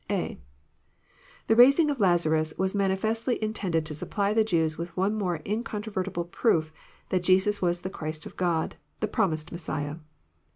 (a) The raising of Lazarus was manifestly Intended to snpply the Jews with one more incontrovertible proof that Jesus was the Christ of God, the promised Messiah.